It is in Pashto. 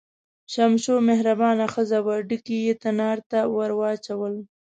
شمشو مهربانه ښځه وه، ډکي یې تنار ته ور واچول.